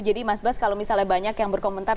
jadi mas bas kalau misalnya banyak yang berkomentar